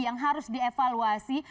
yang harus dievaluasi